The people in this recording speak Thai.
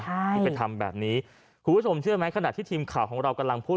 ใช่ที่ไปทำแบบนี้คุณผู้ชมเชื่อไหมขณะที่ทีมข่าวของเรากำลังพูด